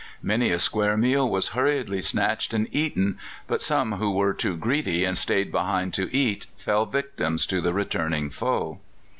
Many a square meal was hurriedly snatched and eaten, but some who were too greedy and stayed behind to eat fell victims to the returning foe.